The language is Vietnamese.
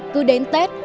cứ đến tết